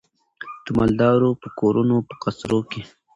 د مالدارو په کورونو په قصرو کي